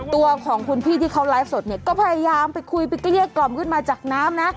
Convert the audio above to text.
ตัวของคุณพี่ที่เขาไลฟ์สดเนี่ยก็พยายามไปคุยไปเกลี้ยกล่อมขึ้นมาจากน้ำนะ